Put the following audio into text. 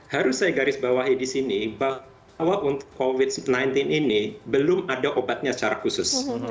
harus saya garis bawahi di sini bahwa untuk covid sembilan belas ini belum ada obatnya secara khusus